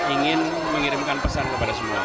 ingin mengirimkan pesan kepada semua